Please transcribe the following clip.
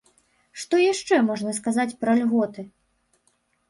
Што яшчэ можна сказаць пра льготы?